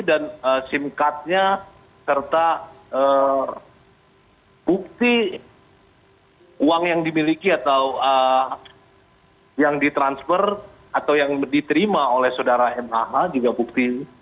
dan sim card nya serta bukti uang yang dimiliki atau yang di transfer atau yang diterima oleh saudara mah juga bukti ini